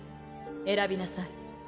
選びなさい。